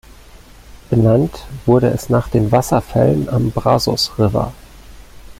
Benannt wurde es nach den Wasserfällen am Brazos River.